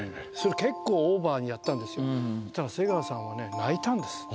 結構オーバーにやったんですよそしたら瀬川さんはね泣いたんです